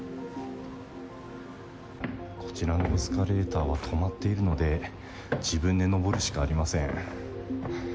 こちらのエスカレーターは止まっているので、自分で上るしかありません。